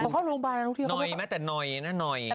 เขาได้คุยนะ